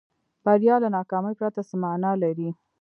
بریا له ناکامۍ پرته څه معنا لري.